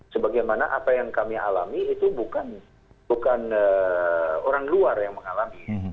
sebagaimana apa yang kami alami itu bukan orang luar yang mengalami